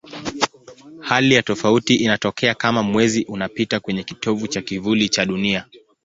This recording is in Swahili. Hali ya tofauti inatokea kama Mwezi unapita kwenye kitovu cha kivuli cha Dunia.